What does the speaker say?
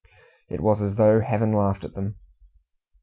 It was as though Heaven laughed at them.